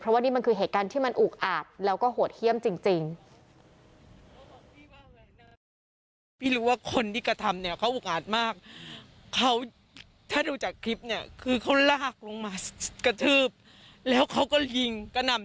ว่านี่มันคือเหตุการณ์ที่มันอุกอาดแล้วก็โหดเยี่ยมจริง